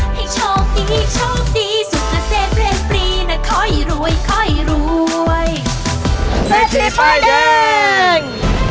ให้ชอบดีชอบดีสุขเสธเรียนปรีนะค่อยรวยค่อยรวย